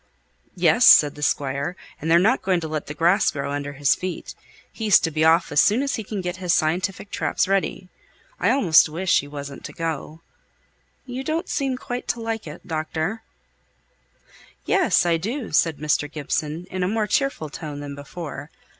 "Yes!" said the Squire; "and they're not going to let the grass grow under his feet. He's to be off as soon as he can get his scientific traps ready. I almost wish he wasn't to go. You don't seem quite to like it, doctor?" "Yes, I do," said Mr. Gibson in a more cheerful tone than before.